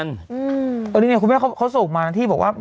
อันนี้เนี่ยคุณแม่เขาส่งมานะที่บอกว่า